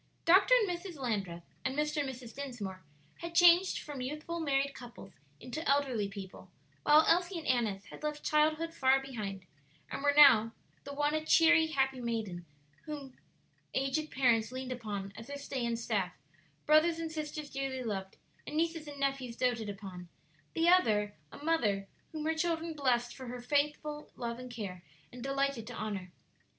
Dr. and Mrs. Landreth and Mr. and Mrs. Dinsmore had changed from youthful married couples into elderly people, while Elsie and Annis had left childhood far behind, and were now the one a cheery, happy maiden lady, whom aged parents leaned upon as their stay and staff, brothers and sisters dearly loved, and nieces and nephews doated upon; the other a mother whom her children blessed for her faithful love and care, and delighted to honor.